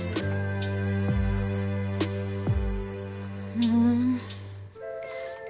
うん！